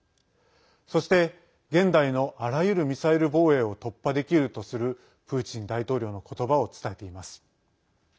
そして、現代のあらゆるミサイル防衛を突破できるとするプーチン大統領のことばを伝えています。